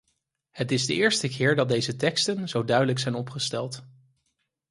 Het is de eerste keer dat deze teksten zo duidelijk zijn opgesteld.